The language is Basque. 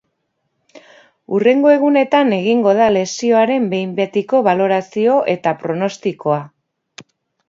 Hurrengo egunetan egingo da lesioaren behin betiko balorazio eta pronostikoa.